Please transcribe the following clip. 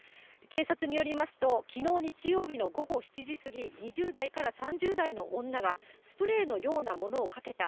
警察によりますと、きのう日曜日の午後７時過ぎ、２０代から３０代の女が、スプレーのようなものをかけた、